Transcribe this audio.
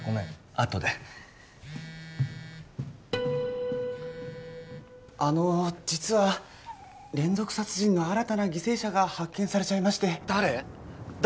あとであの実は連続殺人の新たな犠牲者が発見されちゃいまして誰？